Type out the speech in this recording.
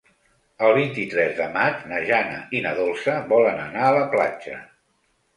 El vint-i-tres de maig na Jana i na Dolça volen anar a la platja.